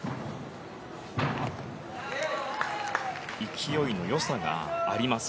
勢いの良さがあります。